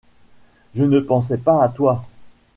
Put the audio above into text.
Je ne pensais pas à toi.